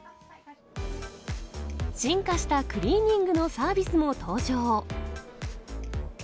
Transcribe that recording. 進化したクリーニングのサービスも登場。